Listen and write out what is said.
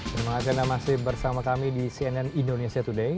terima kasih anda masih bersama kami di cnn indonesia today